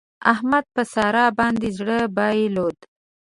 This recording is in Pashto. احمد په سارا باندې زړه بايلود.